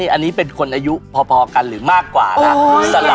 อันนี้เป็นคนอายุพอกันหรือมากกว่านะ